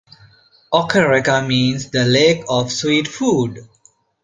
Okareka means "the lake of sweet food".